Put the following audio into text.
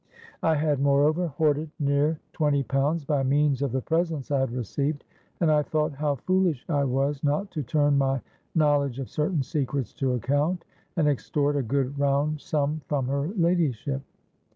I had moreover hoarded near twenty pounds, by means of the presents I had received; and I thought how foolish I was not to turn my knowledge of certain secrets to account, and extort a good round sum from her ladyship.